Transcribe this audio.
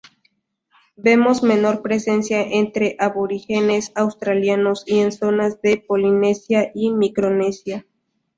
Vemos menor presencia entre aborígenes australianos y en zonas de Polinesia y Micronesia.